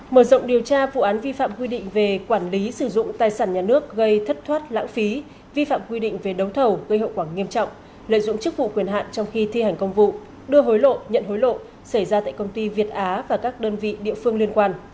mở rộng điều tra vụ án vi phạm quy định về quản lý sử dụng tài sản nhà nước gây thất thoát lãng phí vi phạm quy định về đấu thầu gây hậu quả nghiêm trọng lợi dụng chức vụ quyền hạn trong khi thi hành công vụ đưa hối lộ nhận hối lộ xảy ra tại công ty việt á và các đơn vị địa phương liên quan